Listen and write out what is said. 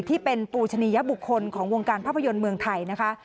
ที่เป็นปูชนียบุคคลของวงการภาพยนตร์เมืองไทยนะคะ